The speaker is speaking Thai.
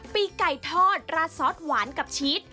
ปีไก่ทอดราดซอสหวานกับชีส